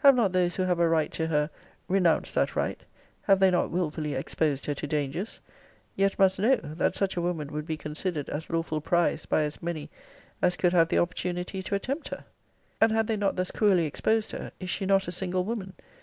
Have not those who have a right to her renounced that right? Have they not wilfully exposed her to dangers? Yet must know, that such a woman would be considered as lawful prize by as many as could have the opportunity to attempt her? And had they not thus cruelly exposed her, is she not a single woman?